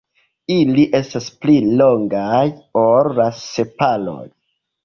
Ili estas pli longaj ol la sepaloj.